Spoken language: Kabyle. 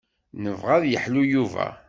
Nebɣa ad yeḥlu Yuba.